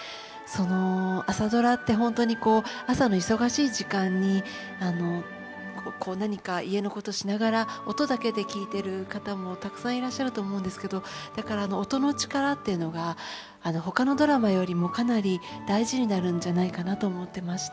その「朝ドラ」って本当に朝の忙しい時間にこう何か家のことをしながら音だけで聞いている方もたくさんいらっしゃると思うんですけどだから音の力っていうのがほかのドラマよりもかなり大事になるんじゃないかなと思っていまして。